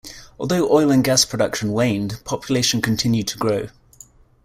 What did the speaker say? Although oil and gas production waned, population continued to grow.